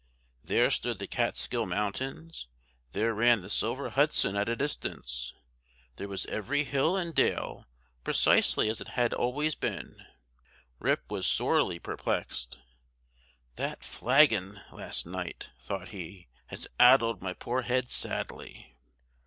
There stood the Kaatskill mountains there ran the silver Hudson at a distance there was every hill and dale precisely as it had always been Rip was sorely perplexed "That flagon last night," thought he, "has addled my poor head sadly!"